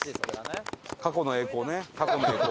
過去の栄光ね過去の栄光。